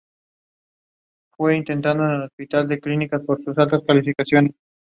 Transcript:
He established trading posts of this company as far as the Falls.